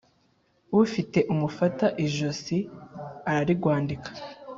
Ufite umufata ijosi ararigwandika.